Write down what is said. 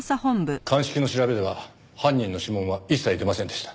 鑑識の調べでは犯人の指紋は一切出ませんでした。